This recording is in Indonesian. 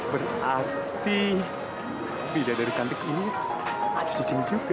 berarti beda dari cantik ini ada di sini juga